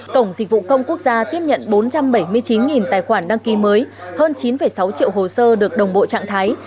cổng dịch vụ công quốc gia tiếp nhận bốn trăm bảy mươi chín tài khoản đăng ký mới hơn chín sáu triệu hồ sơ được đồng bộ trạng thái